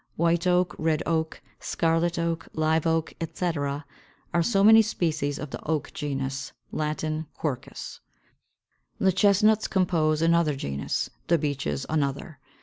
White Oak, Red Oak, Scarlet Oak, Live Oak, etc., are so many species of the Oak genus (Latin, Quercus). The Chestnuts compose another genus; the Beeches another.